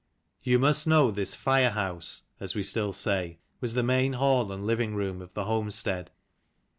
You must know this " firehouse " (as we still say) was the main hall and living room of the homestead.